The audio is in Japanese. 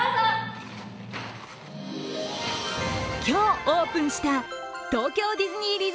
今日オープンした東京ディズニー